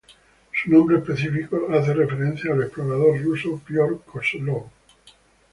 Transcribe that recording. Su nombre específico hace referencia al explorador ruso Pyotr Kozlov.